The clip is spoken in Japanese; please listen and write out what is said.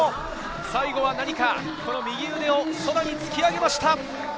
最後は右腕をさらに突き上げました。